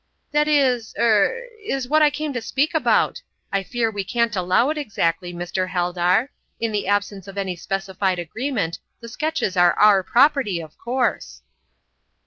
"That is er—is what I came to speak about. I fear we can't allow it exactly, Mr. Heldar. In the absence of any specified agreement, the sketches are our property, of course."